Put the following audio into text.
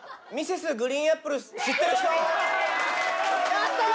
やったー！